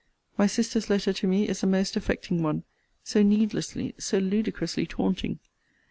My sister's letter to me is a most affecting one so needlessly, so ludicrously taunting!